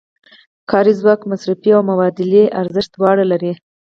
کاري ځواک مصرفي او مبادلوي ارزښت دواړه لري